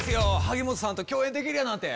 萩本さんと共演できるやなんて！